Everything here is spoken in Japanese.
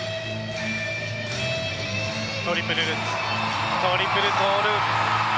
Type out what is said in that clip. トリプルルッツトリプルトーループ。